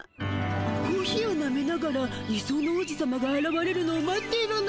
コーヒーをなめながら理想の王子さまがあらわれるのを待っているの。